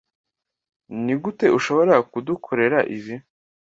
Nigute ushobora kudukorera ibi?